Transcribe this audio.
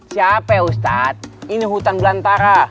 siapa ustadz ini hutan belantara